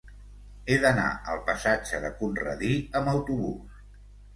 He d'anar al passatge de Conradí amb autobús.